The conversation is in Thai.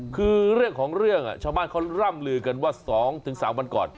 คือเรื่องของเรื่องชาวบ้านเขาร่ำลือกันว่า๒๓วันก่อน